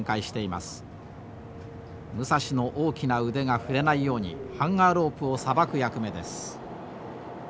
武蔵の大きな腕が触れないようにハンガー・ロープをさばく役目です。